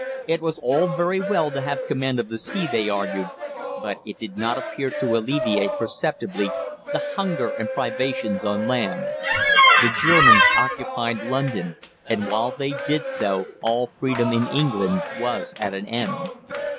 It was all very well to have command of the sea, they argued, but it did not appear to alleviate perceptibly the hunger and privations on land. The Germans occupied London, and while they did so all freedom in England was at an end.